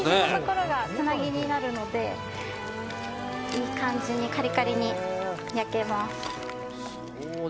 つなぎになるのでいい感じに、カリカリに焼けます。